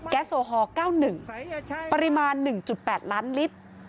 แก๊สโอฮอร์๙๑ปริมาณ๑๘ล้านลิตร